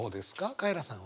カエラさんは？